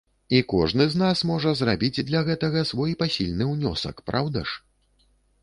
І кожны з нас можа зрабіць для гэтага свой пасільны ўнёсак, праўда ж?